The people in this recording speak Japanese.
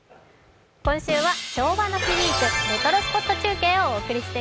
今週は昭和の日ウイークレトロスポット中継をお送りして